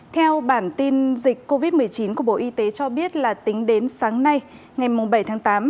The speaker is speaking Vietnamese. theo bản tin dịch covid một mươi chín của bộ y tế cho biết là tính đến sáng nay ngày bảy tháng tám